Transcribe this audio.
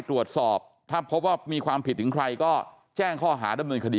ตรวจสอบถ้าพบว่ามีความผิดถึงใครก็แจ้งข้อหาดำเนินคดี